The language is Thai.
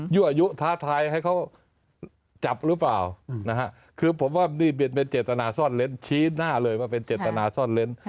อายุท้าทายให้เขาจับหรือเปล่าคือผมว่านี่เป็นเจตนาซ่อนเล้นชี้หน้าเลยว่าเป็นเจตนาซ่อนเล้น